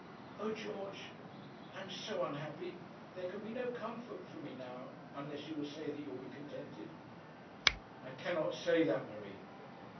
'O George, I am so unhappy! There can be no comfort for me now, unless you will say that you will be contented.' 'I cannot say that, Marie.'